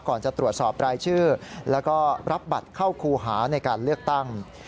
ก่อนจะตรวจสอบรายชื่อแล้วก็รับบัตรเข้าครูหาในการเลือกตั้ง